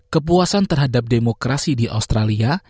kepuasan terhadap demokrasi di australia